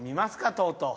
とうとう。